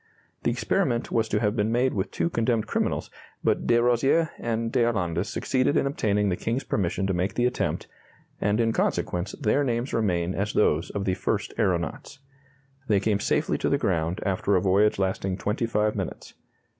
The experiment was to have been made with two condemned criminals, but de Rozier and d'Arlandes succeeded in obtaining the King's permission to make the attempt, and in consequence their names remain as those of the first aeronauts. They came safely to the ground after a voyage lasting twenty five minutes.